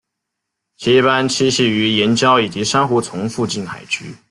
其一般栖息于岩礁以及珊瑚丛附近海区。